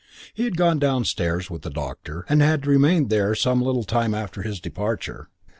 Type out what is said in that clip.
II He had gone downstairs with the doctor and had remained there some little time after his departure.